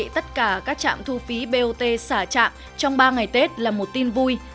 tiếp phí bot xả chạm trong ba ngày tết là một tin vui